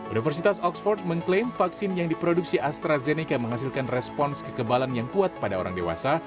universitas oxford mengklaim vaksin yang diproduksi astrazeneca menghasilkan respons kekebalan yang kuat pada orang dewasa